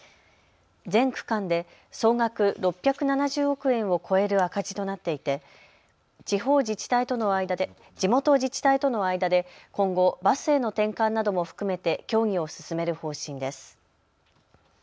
全区間で総額６７０億円を超える赤字となっていて地元自治体との間で今後、バスへの転換なども含めて協議を進める方針です。